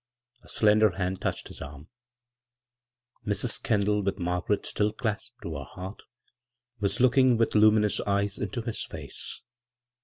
A slender hand touched his arm. Mrs. Kendall, with Mar garet still clasped to her heart, was looking with luminous eyes into his face.